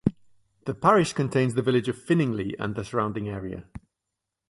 The parish contains the village of Finningley and the surrounding area.